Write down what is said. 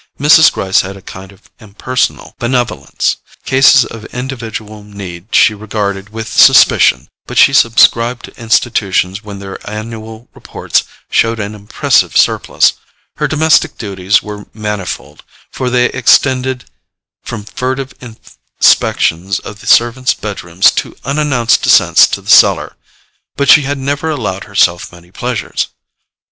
Mrs. Gryce had a kind of impersonal benevolence: cases of individual need she regarded with suspicion, but she subscribed to Institutions when their annual reports showed an impressive surplus. Her domestic duties were manifold, for they extended from furtive inspections of the servants' bedrooms to unannounced descents to the cellar; but she had never allowed herself many pleasures.